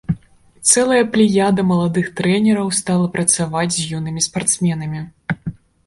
Цэлая плеяда маладых трэнераў стала працаваць з юнымі спартсменамі.